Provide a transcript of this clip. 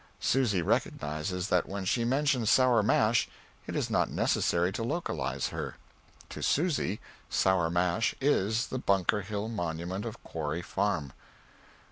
Susy recognizes that when she mentions Sour Mash it is not necessary to localize her. To Susy, Sour Mash is the Bunker Hill Monument of Quarry Farm.